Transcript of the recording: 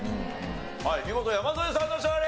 はい見事山添さんの勝利！